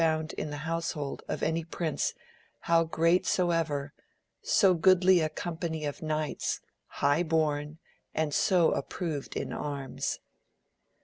found in the household of any prince how great soever, so goodly a company of knights, high bom, and so ap proved in arms.